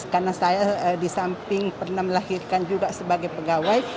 karena saya di samping pernah melahirkan juga sebagai pegawai